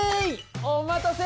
お待たせ！